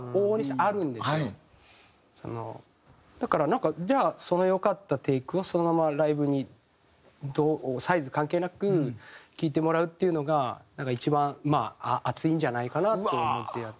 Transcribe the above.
なんかじゃあその良かったテイクをそのままライブにどうサイズ関係なく聴いてもらうっていうのがなんか一番まあ熱いんじゃないかなと思ってやってた。